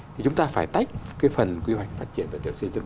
thì chúng ta phải tách cái phần quy hoạch phát triển vật liệu xây dựng